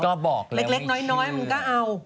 เล็กน้อยมึงก็เอา